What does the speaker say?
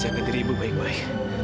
jaga diri ibu baik baik